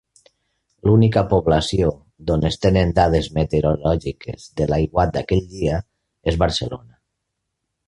L'única població d'on es tenen dades meteorològiques de l'aiguat d'aquell dia és Barcelona.